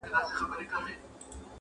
• خلک هر څه کوي خو هر څه نه وايي -